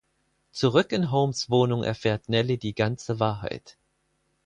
Zurück in Holmes’ Wohnung erfährt Nellie die ganze Wahrheit.